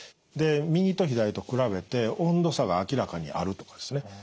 で右と左と比べて温度差が明らかにあるとかですね。